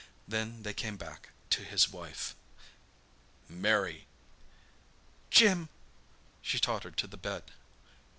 Then they came back to his wife. "Mary!" "Jim!" She tottered to the bed.